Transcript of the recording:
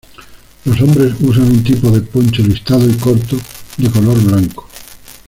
Los hombres usan un tipo de poncho listado y corto, de color blanco.